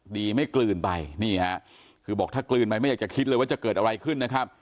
ดีไม่กลืนไปนี่ฮะคือบอกถ้ากลืนไปไม่อยากจะคิดเลยว่าจะเกิดอะไรขึ้นนะครับ